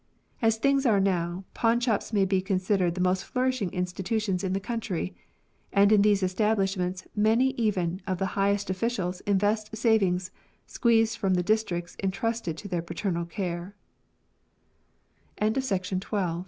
As things are now, pawnshops may be considered the most flourishing institutions in the country ; and in these establishments many even of the highest officials invest savings squeezed from the districts entrusted to their paternal c